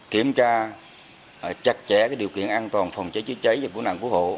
kiểm tra chắc chẽ điều kiện an toàn phòng cháy chữa cháy và quốc nạn quốc hộ